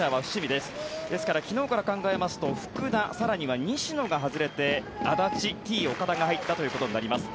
ですから昨日から考えますと福田、更には西野が外れて安達、Ｔ−岡田が入ったということになります。